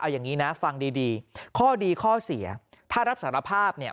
อย่างนี้นะฟังดีดีข้อดีข้อเสียถ้ารับสารภาพเนี่ย